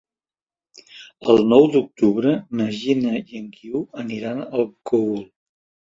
El nou d'octubre na Gina i en Guiu aniran al Cogul.